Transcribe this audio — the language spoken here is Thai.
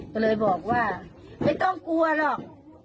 ก็เลยบอกว่าไม่ต้องกลัวหรอก